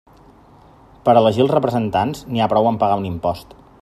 Per a elegir els representants, n'hi ha prou amb pagar un impost.